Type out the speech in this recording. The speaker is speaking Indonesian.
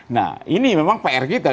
nah ini memang pr kita